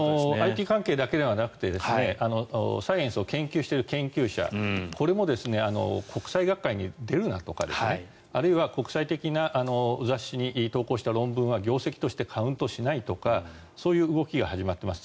ＩＴ関係だけではなくてサイエンスを研究している研究者これも国際学会に出るなとかあるいは国際的な雑誌に投稿した論文は業績としてカウントしないとかそういう動きが始まっています。